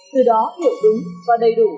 từ đó hiểu đúng và đầy đủ